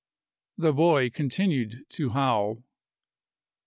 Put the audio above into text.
The boy continued to howl.